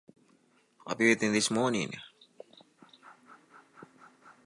In "Stigma" she discloses that she was forced into it.